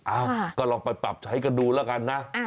อ้าวก็ลองไปปรับใช้กันดูแล้วกันนะ